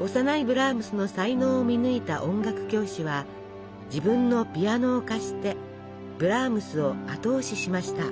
幼いブラームスの才能を見抜いた音楽教師は自分のピアノを貸してブラームスを後押ししました。